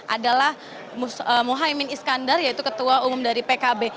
adalah mohaimin iskandar yaitu ketua umum dari pkb